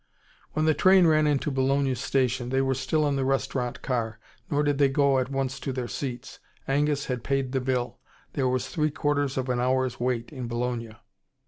When the train ran into Bologna Station, they were still in the restaurant car. Nor did they go at once to their seats. Angus had paid the bill. There was three quarters of an hour's wait in Bologna.